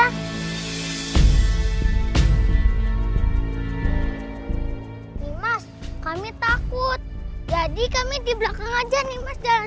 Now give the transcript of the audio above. nimas kami takut jadi kami di belakang saja nimas jalan duluan